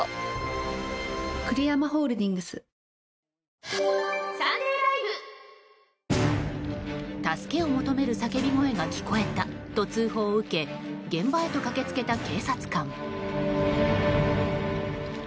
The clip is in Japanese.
お申込みは助けを求める叫び声が聞こえたと通報を受け現場へと駆け付けた警察官。